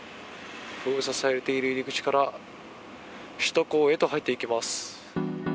封鎖されている入り口から首都高へと入っていきます。